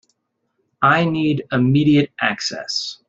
I needed immediate access.